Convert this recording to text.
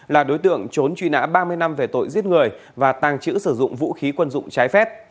là đối tượng trốn truy nã ba mươi năm về tội giết người và tàng trữ sử dụng vũ khí quân dụng trái phép